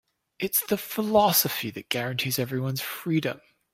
It's the philosophy that guarantees everyone's freedom.